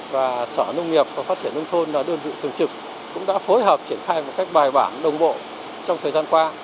và sở nông nghiệp và phát triển nông thôn là đơn vị thường trực cũng đã phối hợp triển khai một cách bài bản đồng bộ trong thời gian qua